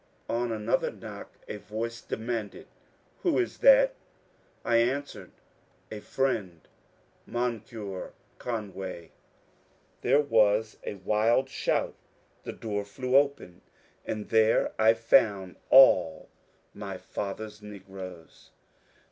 On another knock a voice demanded, ^^ Who is that?" I answered, ^^ A friend I Moncure Conway." There A JOYFUL MEETING 359 was a wild shoat, the door flew open, and there I found all my father's negroes.